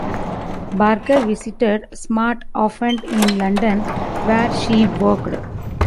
Barker visited Smart often in London where she worked.